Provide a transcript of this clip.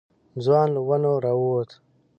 ځوان له ونو راووت.